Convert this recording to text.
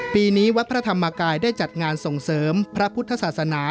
ปีนี้วัดพระธรรมกายได้จัดงานส่งเสริมพระพุทธศาสนา